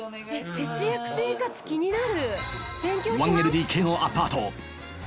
節約生活気になる！